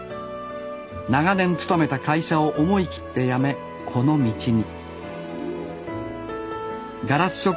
長年勤めた会社を思い切って辞めこの道に。